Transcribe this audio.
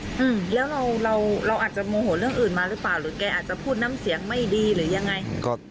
อืมแล้วเราเราอาจจะโมโหเรื่องอื่นมาหรือเปล่าหรือแกอาจจะพูดน้ำเสียงไม่ดีหรือยังไงครับ